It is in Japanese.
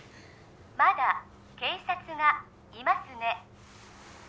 まだ警察がいますね？